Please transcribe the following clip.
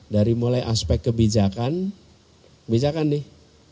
dari mulai aspek kebijakan nih